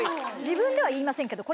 自分では言いませんけど。